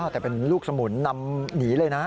แต่เป็นลูกสมุนนำหนีเลยนะ